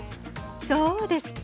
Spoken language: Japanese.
そうです。